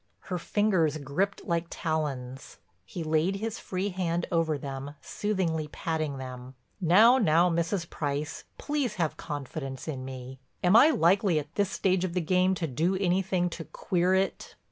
Her fingers gripped like talons; he laid his free hand over them, soothingly patting them: "Now, now, Mrs. Price, please have confidence in me. Am I likely, at this stage of the game, to do anything to queer it?"